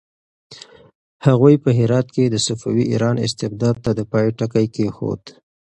هغوی په هرات کې د صفوي ایران استبداد ته د پای ټکی کېښود.